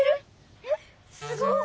えっすごい！